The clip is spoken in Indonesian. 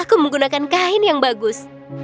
aku menggunakan kain yang bagus